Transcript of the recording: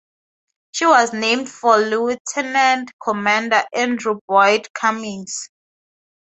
She was named for Lieutenant Commander Andrew Boyd Cummings.